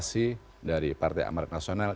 personifikasi dari partai amerika nasional